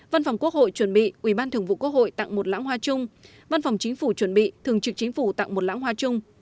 văn phòng quốc hội chuẩn bị ủy ban thường vụ quốc hội tặng một lãng hoa chung văn phòng chính phủ chuẩn bị thường trực chính phủ tặng một lãng hoa chung